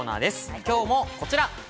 今日もこちら、